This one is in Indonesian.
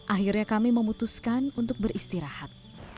akhirnya kami memutuskan untuk beristirahat